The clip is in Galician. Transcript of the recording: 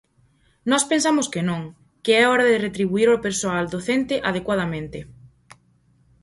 Nós pensamos que non, que é hora de retribuír o persoal docente adecuadamente.